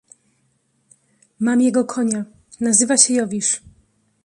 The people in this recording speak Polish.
"Mam jego konia... nazywa się Jowisz."